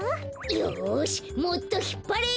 よしもっとひっぱれ！